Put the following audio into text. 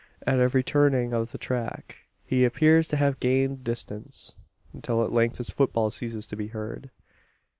At every turning of the track, he appears to have gained distance; until at length his footfall ceases to be heard.